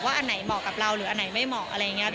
อันไหนเหมาะกับเราหรืออันไหนไม่เหมาะอะไรอย่างนี้